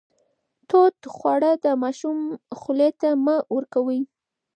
تود خواړه د ماشوم خولې ته مه ورکوئ.